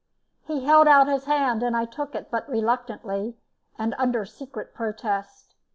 He held out his hand, and I took it, but reluctantly, and under secret protest.